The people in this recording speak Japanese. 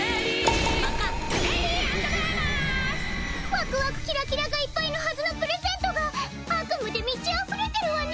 ワクワクキラキラがいっぱいのはずのプレゼントが悪夢で満ちあふれてるわね。